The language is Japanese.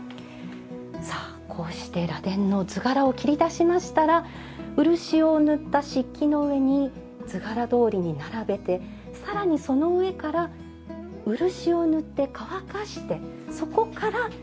さあこうして螺鈿の図柄を切り出しましたら漆を塗った漆器の上に図柄どおりに並べて更にその上から漆を塗って乾かしてそこから磨く作業にまいります。